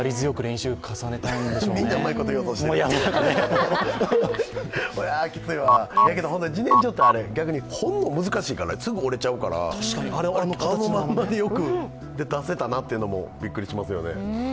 じねんじょって逆に掘るの難しいから、すぐ折れちゃうからあのまんまで、よく出せたなというのもびっくりしますよね。